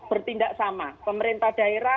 bertindak sama pemerintah daerah